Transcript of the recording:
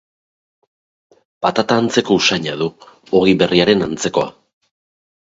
Patata antzeko usaina du, ogi berriaren antzekoa.